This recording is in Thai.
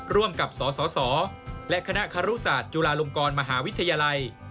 ร่วมกับสสและคณะคารุศาสตร์จุฬาลงกรมหาวิทยาลัย